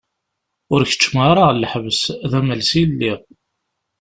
Ur keččmeɣ ara ɣer lḥebs, d amelsi i lliɣ.